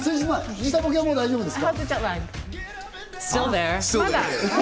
時差ボケはもう大丈夫ですか？